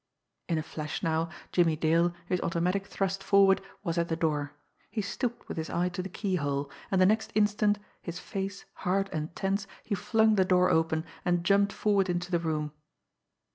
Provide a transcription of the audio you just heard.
In a flash now, Jimmie Dale, his automatic thrust forward, was at the door. He stooped with his eye to the keyhole; and the next instant, his face hard and tense, he flung the door open, and jumped forward into the room.